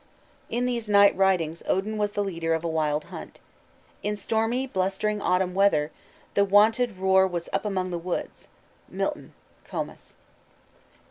In these night ridings Odin was the leader of a wild hunt. In stormy, blustering autumn weather "The wonted roar was up among the woods." MILTON: _Comus.